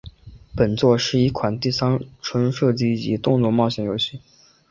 本作是一款第三人称射击及动作冒险游戏。